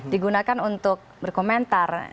digunakan untuk berkomentar